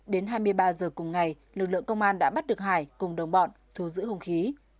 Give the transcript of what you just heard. đến hai mươi ba giờ cùng ngày lực lượng công an đã bắt được hải cùng đồng bọn thu giữ hùng khí